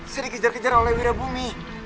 saya dikejar kejar oleh wira bumi